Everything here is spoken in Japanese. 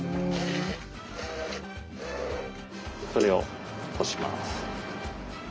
これをこします。